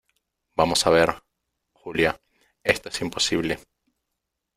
vamos a ver , Julia , esto es imposible .